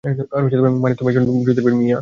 মানে, তুমি একজন যুদ্ধের বীর, মিয়া।